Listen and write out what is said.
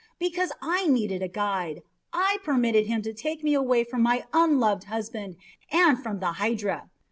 Because I needed a guide, I permitted him to take me away from my unloved husband and from the Hydra.